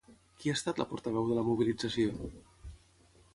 Qui ha estat la portaveu de la mobilització?